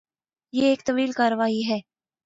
یہ ایک طویل کارروائی ہے۔